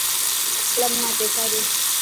اسلم نا پيسا ڏي.